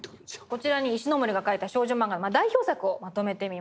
こちらに石森が描いた少女漫画代表作をまとめてみました。